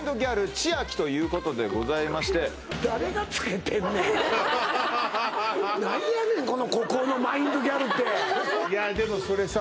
ＣＨＩＡＫＩということでございまして何やねんこの「孤高のマインドギャル」っていやでもそれさ